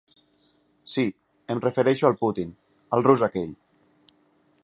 Sí, em refereixo al Putin, el rus aquell.